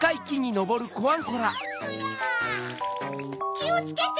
きをつけて！